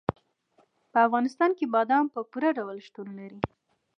په افغانستان کې بادام په پوره ډول شتون لري.